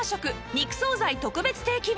肉惣菜特別定期便